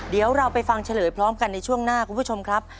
เดี๋ยวเราไปฟังเฉลยพร้อมกันในช่วงหน้าคุณผู้ชมครับ